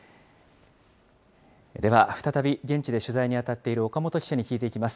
では、再び現地で取材に当たっている岡本記者に聞いていきます。